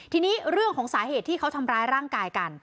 ทีนี้เรื่องของสาเหตุที่เขาทำร้ายร่างกายกัน